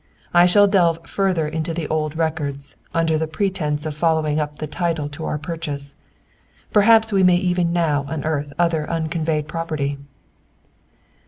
I shall delve further into the old records, under pretense of following up the title to our purchase. Perhaps we may even now unearth other unconveyed property."